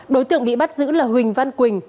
đối tượng bị bắt giữ là huỳnh văn quỳnh